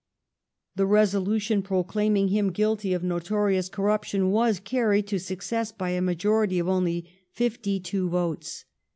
The resolution proclaiming him guilty of notorious corruption was carried to success by a majority of only fifty two votes.